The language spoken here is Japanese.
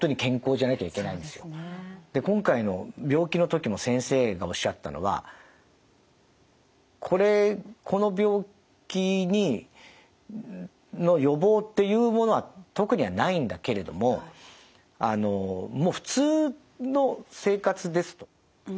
今回の病気のときも先生がおっしゃったのは「これこの病気の予防っていうものは特にはないんだけれどももう普通の生活です」と。